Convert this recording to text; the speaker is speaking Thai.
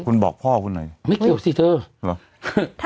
คุณบอกพ่อคุณหน่อยไม่เกี่ยวสิเธอเหรอ